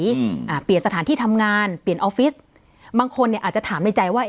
อืมอ่าเปลี่ยนสถานที่ทำงานเปลี่ยนออฟฟิศบางคนเนี้ยอาจจะถามในใจว่า